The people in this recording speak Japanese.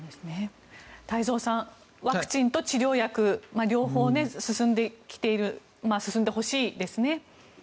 太蔵さんワクチンと治療薬両方進んできている進んでほしいですね。